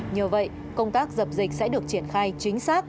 nhờ vậy công tác dập dịch sẽ được triển khai chính xác